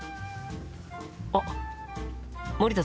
あっ森田さん。